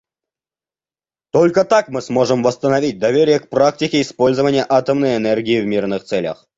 Только так мы сможем восстановить доверие к практике использования атомной энергии в мирных целях.